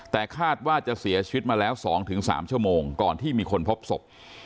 แต่คาดว่าจะเสียชีวิตมาแล้ว๒๓ชั่วโมงก่อนที่มีคนพบศพ